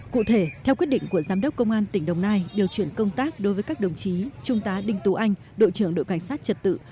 cụ thể theo quyết định của giám đốc công an tỉnh đồng nai điều chuyển công tác đối với các đồng chí trung tá đinh tú anh đội trưởng đội cảnh sát trật tự